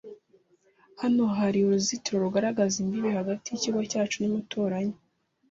Hano hari uruzitiro rugaragaza imbibi hagati yikigo cyacu n’umuturanyi.